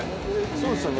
そうですよね